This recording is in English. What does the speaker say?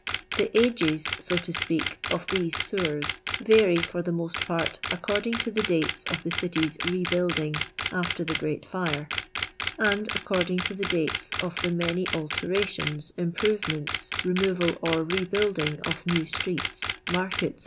The ages (so to speak) of these sewen, vary, for the most part, according to the dates of the City*s rebuilding after the <£reat Fire, and accord ing to the dates of the many alterations, improve ments, removal or rebuilding of new streets, markets, &c.